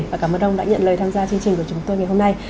và cảm ơn ông đã nhận lời tham gia chương trình của chúng tôi ngày hôm nay